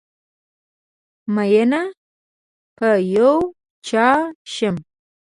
ميېنه په یو چا شم